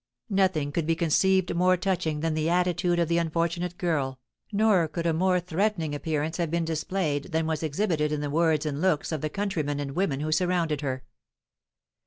Nothing could be conceived more touching than the attitude of the unfortunate girl, nor could a more threatening appearance have been displayed than was exhibited in the words and looks of the countrymen and women who surrounded her.